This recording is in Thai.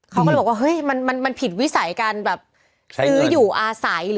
เขาก็บอกว่ามันผิดวิสัยการซื้ออยู่อาศัย